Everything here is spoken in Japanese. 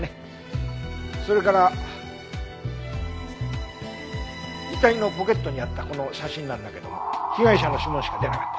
それから遺体のポケットにあったこの写真なんだけど被害者の指紋しか出なかった。